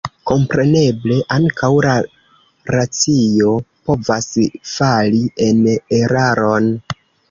Kompreneble, ankaŭ la racio povas fali en eraron.